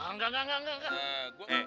enggak enggak enggak